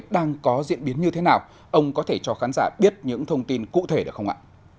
đang có diễn biến như thế nào ông có thể cho khán giả biết những thông tin cụ thể được không ạ